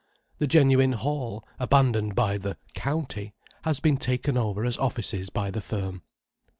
The genuine Hall, abandoned by the "County," has been taken over as offices by the firm.